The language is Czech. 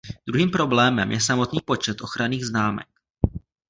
Druhým problémem je samotný počet ochranných známek.